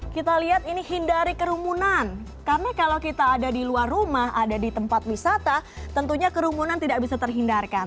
kita lihat ini hindari kerumunan karena kalau kita ada di luar rumah ada di tempat wisata tentunya kerumunan tidak bisa terhindarkan